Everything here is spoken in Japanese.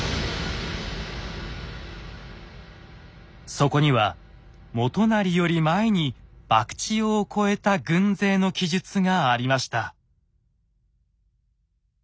そこには元就より前に博打尾を越えた軍勢の記述がありました。